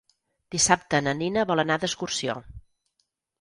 Dissabte na Nina vol anar d'excursió.